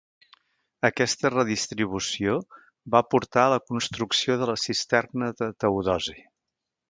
Aquesta redistribució va portar a la construcció de la Cisterna de Teodosi.